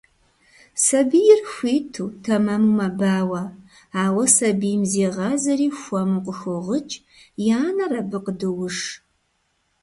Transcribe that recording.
Сабийр хуиту, тэмэму мэбауэ, ауэ сабийм зегъазэри хуэму къыхогъыкӀ, и анэр абы къыдоуш.